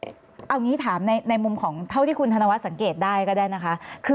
เอางี้ถามในมุมของเท่าที่คุณธนวัฒนสังเกตได้ก็ได้นะคะ